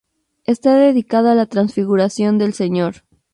Está dedicado a la Transfiguración del Señor.